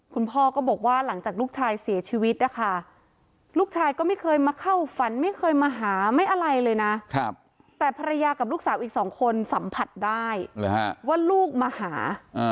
คุณพ่อก็บอกว่าหลังจากลูกชายเสียชีวิตนะคะลูกชายก็ไม่เคยมาเข้าฝันไม่เคยมาหาไม่อะไรเลยนะแต่ภรรยากับลูกสาวอีกสองคนสัมผัสได้ว่าลูกมาหา